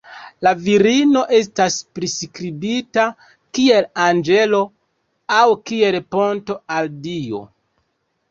La virino estas priskribita kiel 'anĝelo' aŭ kiel 'ponto al Dio'.